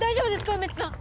梅津さん！